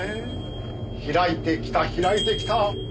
開いてきた開いてきた！